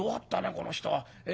この人は。